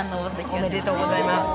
おめでとうございます。